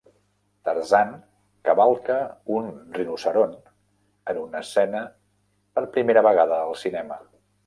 Tarzan cavalca un rinoceront en una escena, per primera vegada al cinema.